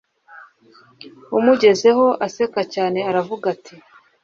amugezeho aseka cyane aravuga ati